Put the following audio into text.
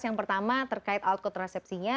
yang pertama terkait alat kontrasepsinya